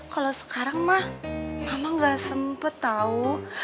kalo sekarang ma mama ga sempet tau